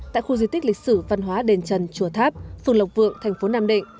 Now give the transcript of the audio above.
tại khu di tích lịch sử văn hóa đền trần chùa tháp phường lộc vượng thành phố nam định